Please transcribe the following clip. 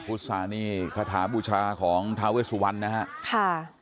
พุทธศาสนีขทาบุชาของทาเวสุวรรณนะครับ